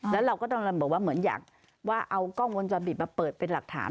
แล้วเราก็ต้องบอกว่าเหมือนอยากว่าเอากล้องวงจรปิดมาเปิดเป็นหลักฐาน